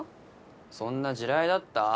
そんな地雷だった？